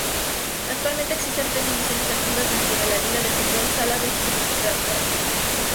Actualmente existen tres divisiones activas dentro de la Liga de fútbol sala de Gibraltar.